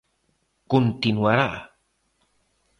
Continuará.